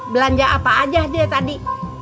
belanja apa aja dia tadi